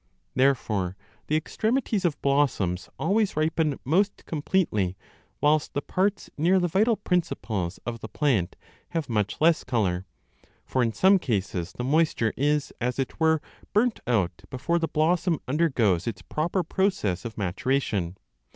Therefore the extremities of blossoms always ripen most completely, whilst the parts near the vital principles of the 30 plant have much less colour ; for in some cases the moisture is, as it were, burnt out before the blossom undergoes its proper process of maturation.